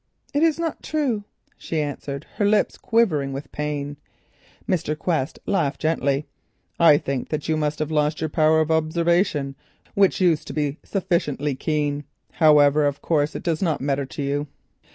"It is not true," she answered, her lips quivering with pain. Mr. Quest laughed gently. "I think you must have lost your power of observation, which used to be sufficiently keen. However, of course it does not matter to you.